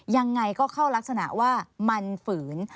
ยังไงก็เข้ารักษณะว่ามันฝืน